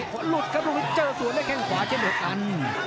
เตะหลุดก็รู้สึกเจอส่วนได้แข่งขวาเจ็บเหนือกัน